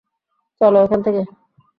চল এখান থেকে।